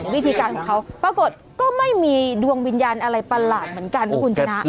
วิธีการของเขาปรากฏก็ไม่มีดวงวิญญาณอะไรประหลาดเหมือนกันนะคุณชนะ